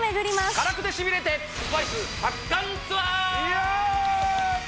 辛くてシビれて、スパイス発汗ツアー。